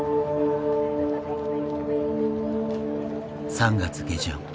３月下旬。